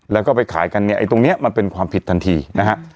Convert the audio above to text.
แล้วก็ไปขายกันเนี่ยไอ้ตรงนี้มันเป็นความผิดทันทีนะฮะ